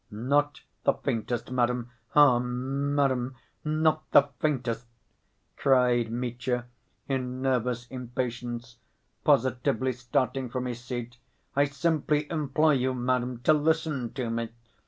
"Not the faintest, madam; ah, madam, not the faintest!" cried Mitya, in nervous impatience, positively starting from his seat. "I simply implore you, madam, to listen to me.